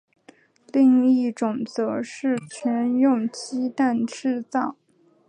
另一种则是全用鸡蛋制造。